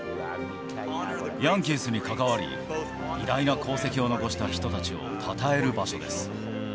ヤンキースに関わり、偉大な功績を残した人たちをたたえる場所です。